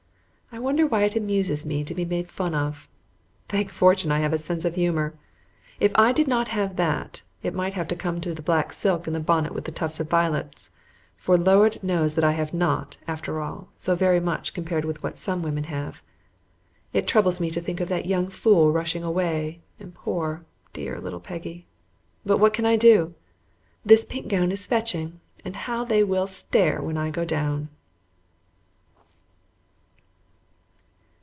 I wonder why it amuses me to be made fun of. Thank fortune, I have a sense of humor. If I did not have that it might have come to the black silk and the bonnet with the tuft of violets, for the Lord knows I have not, after all, so very much compared with what some women have. It troubles me to think of that young fool rushing away and poor, dear little Peggy; but what can I do? This pink gown is fetching, and how they will stare when I go down!